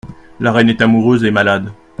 La Reine est amoureuse et malade.